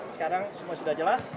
sekarang semua sudah jelas